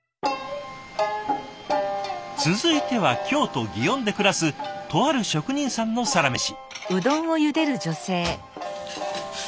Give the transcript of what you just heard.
続いては京都・園で暮らすとある職人さんのサラメシ。